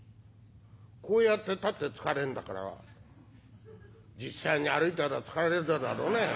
こうやってたって疲れんだから実際に歩いたら疲れるだろうね」。